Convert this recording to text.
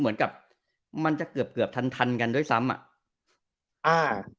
เหมือนกับมันจะเกือบทันด้วยซ้ำ